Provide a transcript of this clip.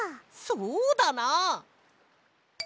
そうだな。